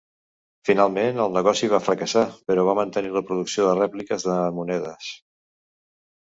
Finalment el negoci va fracassar, però va mantenir la producció de rèpliques de monedes.